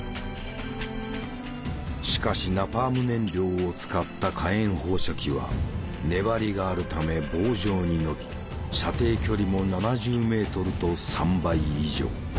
しかしナパーム燃料を使った火炎放射器は粘りがあるため棒状に伸び射程距離も７０メートルと３倍以上。